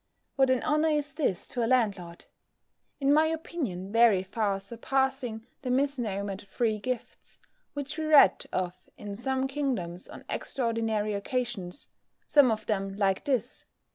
What an honour is this to a landlord! In my opinion very far surpassing the mis nomer'd free gifts which we read of in some kingdoms on extraordinary occasions, some of them like this!